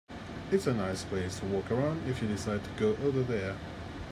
It's a nice place to walk around if you decide to go over there.